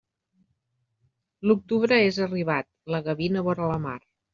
L'octubre és arribat, la gavina vora la mar.